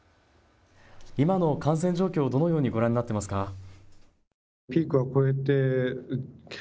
今の感染状況、どのようにご覧になっていますか。